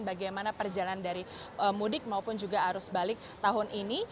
bagaimana perjalanan dari mudik maupun juga arus balik tahun ini